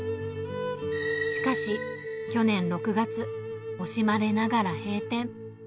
しかし、去年６月、惜しまれながら閉店。